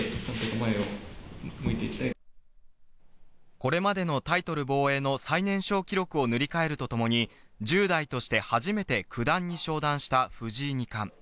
これまでのタイトル防衛の最年少記録を塗り替えるとともに、１０代として初めて九段に昇段した藤井二冠。